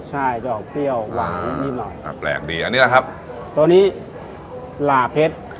ใช่จะออกเปรี้ยวหวานอ่าแปลกดีอันเนี้ยครับตัวนี้หลาเพชร